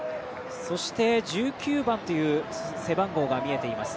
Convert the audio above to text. そして、１９番という背番号が見えています。